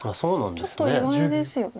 ちょっと意外ですよね。